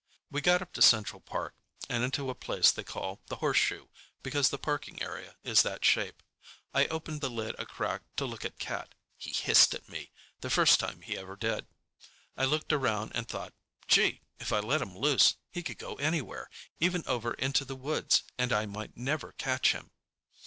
We got up to Central Park and into a place they call The Horseshoe, because the parking area is that shape. I opened the lid a crack to look at Cat. He hissed at me, the first time he ever did. I looked around and thought, Gee, if I let him loose, he could go anywhere, even over into the woods, and I might never catch him.